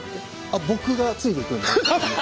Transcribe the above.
あっ僕がついていくんで。